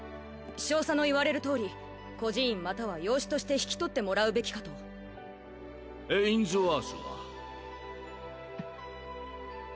少佐の言われるとおり孤児院または養子として引き取ってもらうべきかとエインズワースは？